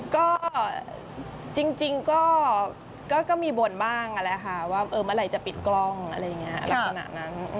ก็จริงก็มีบ่นบ้างเมื่อไหร่จะปิดกล้องอะไรแบบนั้น